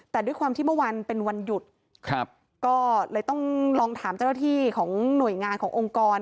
แต่ด้วยความที่เมื่อวานเป็นวันหยุดครับก็เลยต้องลองถามเจ้าหน้าที่ของหน่วยงานขององค์กร